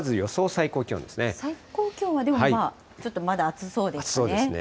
最高気温はでも、まあちょっと、まだ暑そうですね。